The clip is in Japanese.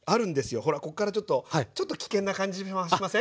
ほらこっからちょっとちょっと危険な感じしません？